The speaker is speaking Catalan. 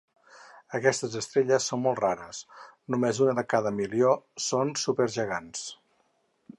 Aquestes estrelles són molt rares; només una de cada milió són supergegants.